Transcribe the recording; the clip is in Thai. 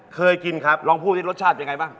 เคยกินครับลองพูดที่รสชาติยังไงบ้าง